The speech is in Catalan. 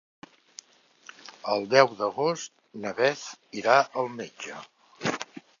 El deu d'agost na Beth irà al metge.